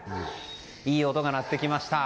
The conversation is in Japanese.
いい音が鳴ってきました。